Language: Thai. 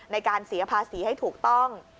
ในการเสียภาษีให้ถูกต้อง